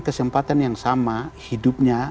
kesempatan yang sama hidupnya